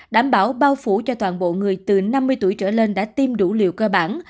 đảm bảo bao phủ cho toàn bộ người từ năm mươi tuổi trở lên đã tiêm đủ liều cơ bản